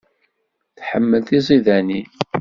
Tḥemmel tiẓidanin.